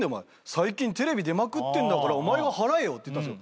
最近テレビ出まくってんだからお前が払えよ」って言ったんですよ。